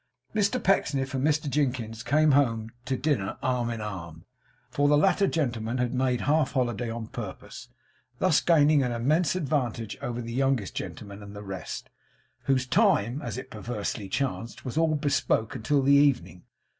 Mr Pecksniff and Mr Jinkins came home to dinner arm in arm; for the latter gentleman had made half holiday on purpose; thus gaining an immense advantage over the youngest gentleman and the rest, whose time, as it perversely chanced, was all bespoke, until the evening.